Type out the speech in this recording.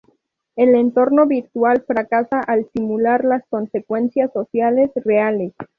El entorno virtual fracasa al simular las consecuencias sociales reales.